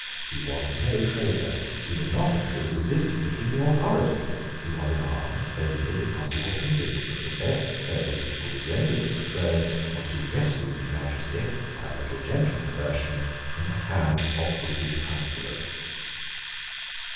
He was no traitor. He was not, in truth, resisting the kingly authority. He was in arms only because he was convinced that the best service which could be rendered to the throne was to rescue His Majesty, by a little gentle coercion, from the hands of wicked counsellors.